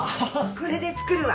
これで作るわ。